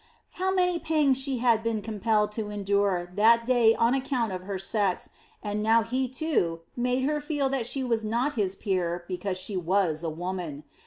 How many pangs she had been compelled to endure that day on account of her sex, and now he, too, made her feel that she was not his peer because she was a woman.